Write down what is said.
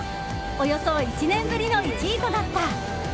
およそ１年ぶりの１位となった。